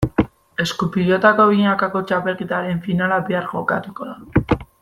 Esku-pilotako binakako txapelketaren finala bihar jokatuko da.